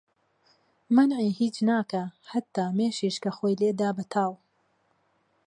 مەنعی هیچ ناکا حەتا مێشیش کە خۆی لێدا بە تاو